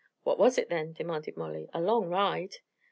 "What was it then?" demanded Molly. "A long ride!"